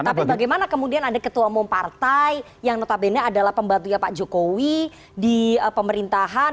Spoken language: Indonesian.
tapi bagaimana kemudian ada ketua umum partai yang notabene adalah pembantunya pak jokowi di pemerintahan